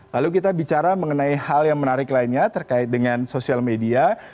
lalu kita bicara mengenai hal yang menarik lainnya terkait dengan sosial media